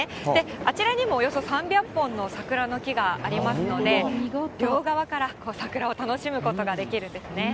あちらにもおよそ３００本の桜の木がありますので、両側から桜を楽しむことができるんですね。